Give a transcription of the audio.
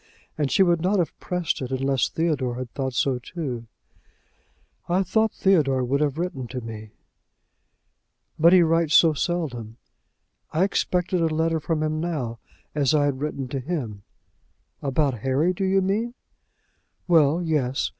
And she would not have pressed it, unless Theodore had thought so too!" "I thought Theodore would have written to me!" "But he writes so seldom." "I expected a letter from him now, as I had written to him." "About Harry, do you mean?" "Well; yes.